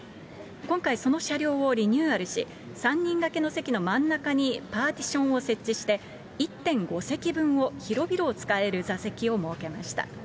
今回、その車両をリニューアルし、３人がけの席の真ん中にパーティションを設置して、１．５席分を広々つかえる座席を設けました。